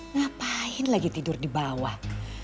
ngapain lagi tidur di bawah